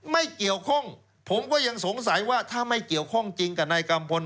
ไม่เกี่ยวข้องผมก็ยังสงสัยว่าถ้าไม่เกี่ยวข้องจริงกับนายกัมพล